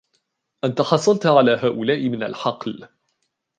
أنتَ حصلت على هؤلاء من الحقل ؟